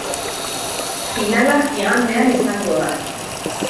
Finala igandean izango da.